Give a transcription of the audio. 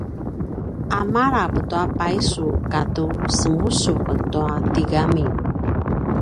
a malap tua paisu katu semusuq tua tigami